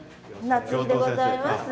夏井でございます。